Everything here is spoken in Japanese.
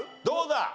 どうだ？